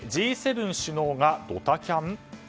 Ｇ７首脳がドタキャン？